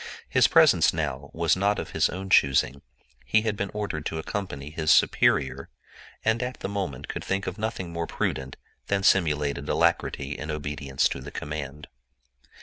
His presence now was not of his own choosing: he had been ordered to accompany his superior, and at the moment could think of nothing more prudent than simulated alacrity in obedience to the command.